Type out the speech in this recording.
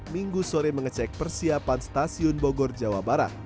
minggu sore mengecek persiapan stasiun bogor jawa barat